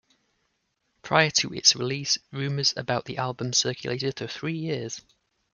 Prior to its release, rumors about the album circulated for three years.